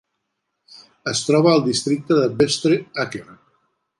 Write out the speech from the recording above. Es troba al districte de Vestre Aker.